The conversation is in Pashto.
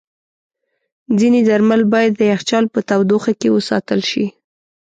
ځینې درمل باید د یخچال په تودوخه کې وساتل شي.